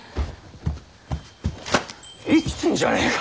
生きてんじゃねぇか！